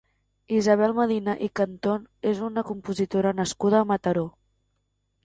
Isabel Medina i Cantón és una compositora nascuda a Mataró.